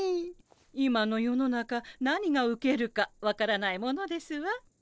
今の世の中何がウケるか分からないものですわ。